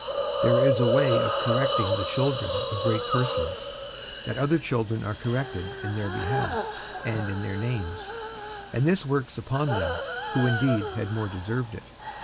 There is a way of correcting the children of great persons, that other children are corrected in their behalf, and in their names, and this works upon them who indeed had more deserved it.